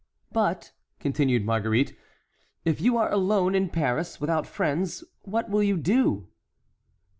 "But," continued Marguerite, "if you are alone in Paris, without friends, what will you do?"